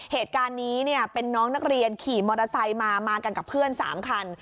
เหตุการณ์นี้เป็นน้องนักเรียนขี่มอเตอร์ไซค์มามากันกับเพื่อน๓คัน